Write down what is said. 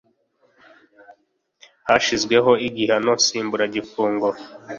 hashyizweho igihano nsimburagifungo